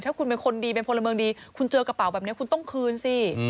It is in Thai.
ถ้าคุณเป็นคนดีเป็นพลเมืองดีคุณเจอกระเป๋าแบบนี้คุณต้องคืนสิ